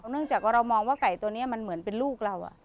เนื่องจากว่าเรามองว่าไก่ตัวนี้มันเหมือนเป็นลูกเรา